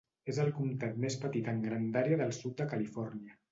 És el comtat més petit en grandària del sud de Califòrnia.